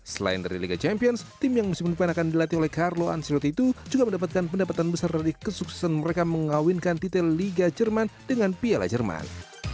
selain dari liga champions tim yang musim depan akan dilatih oleh carlo ansirot itu juga mendapatkan pendapatan besar dari kesuksesan mereka mengawinkan titel liga jerman dengan piala jerman